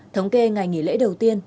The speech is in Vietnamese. thống kê ngày nghỉ lễ đầu tiên